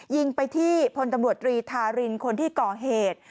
ยิงไปที่พลตำรวจตรีทารินคนที่ก่อเหตุ